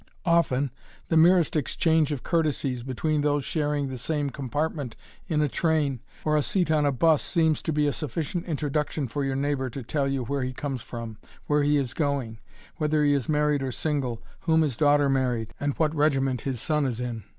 Often, the merest exchange of courtesies between those sharing the same compartment in a train, or a seat on a "bus," seems to be a sufficient introduction for your neighbor to tell you where he comes from, where he is going, whether he is married or single, whom his daughter married, and what regiment his son is in.